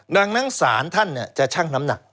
ดังนั้นศาลท่านจะชั่งน้ำหนัก